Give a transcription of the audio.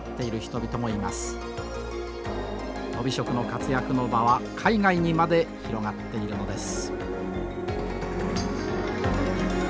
とび職の活躍の場は海外にまで広がっているのです。